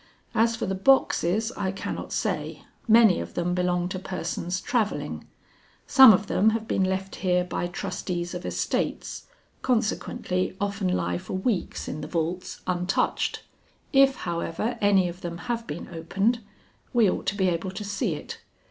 As for the boxes I cannot say, many of them belong to persons travelling; some of them have been left here by trustees of estates, consequently often lie for weeks in the vaults untouched. If however any of them have been opened, we ought to be able to see it.